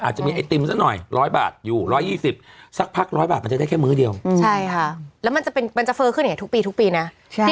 สมมุติเมื่อก่อนเรากินข้าวที่สามมะ